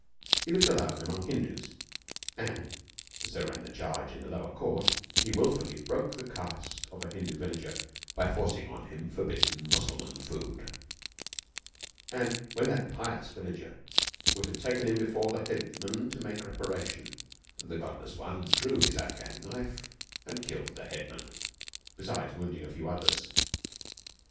He lived alone among Hindus, and so ran the charge in the lower court he wilfully broke the caste of a Hindu villager by forcing on him forbidden Mussulman food, and when that pious villager would have taken him before the headman to make reparation, the godless one drew his Afghan knife and killed the headman, besides wounding a few others.